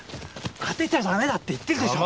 当てちゃ駄目だって言ってるでしょ！